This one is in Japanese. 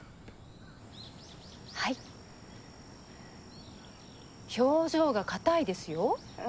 はい表情がかたいですよ。